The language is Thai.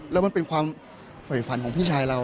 แล้วมันเป็นความฝ่ายฝันของพี่ชายเรา